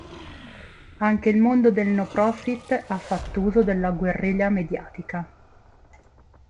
Anche il mondo del non profit ha fatto uso della guerriglia mediatica.